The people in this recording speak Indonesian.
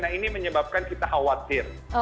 nah ini menyebabkan kita khawatir